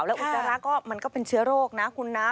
อุจจาระก็มันก็เป็นเชื้อโรคนะคุณนะ